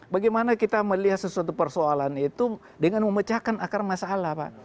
bagaimana kita melihat sesuatu persoalan itu dengan memecahkan akar masalah pak